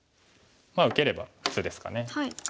受ければ普通ですかね。